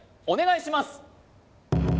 お願いします